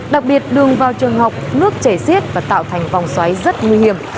đặc biệt đường vào trường học nước chảy xiết và tạo thành vòng xoáy rất nguy hiểm